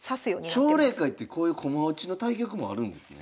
奨励会ってこういう駒落ちの対局もあるんですね。